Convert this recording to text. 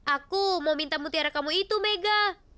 aku mau minta mutiara kamu itu mega